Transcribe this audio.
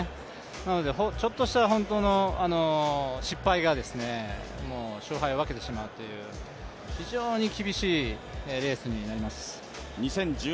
なので、ちょっとした失敗が勝敗を分けてしまうという非常に厳しいレースになります。